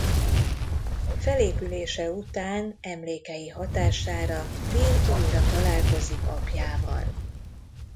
Felépülése után emlékei hatására Will újra találkozik apjával.